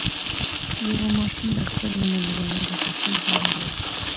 یوه ماشوم د خپلې ملغلرې رسۍ جوړوله.